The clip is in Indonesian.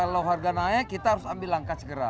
kalau harga naik kita harus ambil langkah segera